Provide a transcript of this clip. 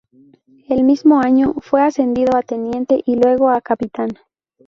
El mismo año, fue ascendido a teniente, y luego a capitán.